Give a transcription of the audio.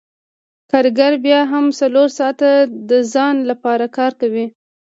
کارګر بیا هم څلور ساعته د ځان لپاره کار کوي